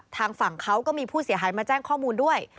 ทางฝั่งเขาก็มีผู้เสียหายมาแจ้งข้อมูลด้วย